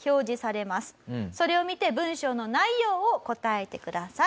それを見て文章の内容を答えてください。